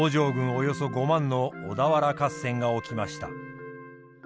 およそ５万の小田原合戦が起きました。